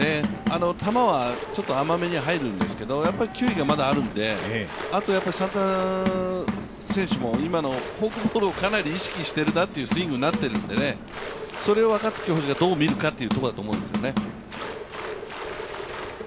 球はちょっと甘めに入るんですけど、やっぱり球威がまだあるので、あとサンタナ選手も、今のフォークボールをかなり意識しているなっていうスイングになっているので、それを若月捕手がどう見るかということだと思うんですよね。